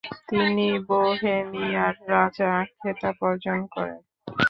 তিনি বোহেমিয়ার রাজা খেতাব অর্জন করেন।